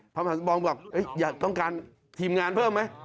พระมหาสมปองบอกอยากต้องการทีมงานเพิ่มไหม